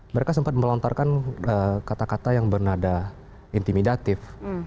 mereka sempat melontarkan kata kata yang bernada intimidatif